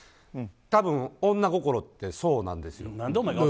多分、女心ってそうなんですよ。